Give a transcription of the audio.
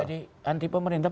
jadi anti pemerintah